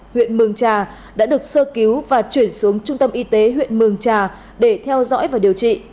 huyện mường trà đã được sơ cứu và chuyển xuống trung tâm y tế huyện mường trà để theo dõi và điều trị